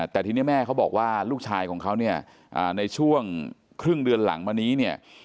แต่ทีนี้แม่เขาบอกว่าลูกชายของเขาเนี่ยในช่วงครึ่งเดือนหลังมานี้เนี่ย